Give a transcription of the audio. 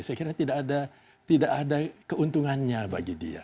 saya kira tidak ada keuntungannya bagi dia